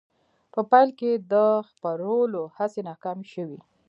په پیل کې د خپرولو هڅې ناکامې شوې.